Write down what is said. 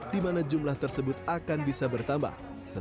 di mana jumlah tersebut akan bisa bertambah